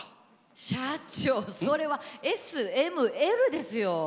社長それはＳＭＬですよ。